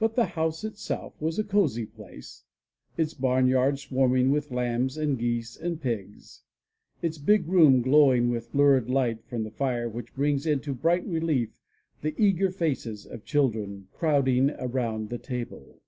But the house itself was a cozy place, its barnyard swarm ing with lambs and geese and pigs, its big room glowing with lurid light from the fire which brings into bright relief the eager faces of children, crowding around the table.